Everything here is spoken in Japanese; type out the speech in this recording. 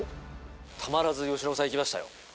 たまらず由伸さん行きました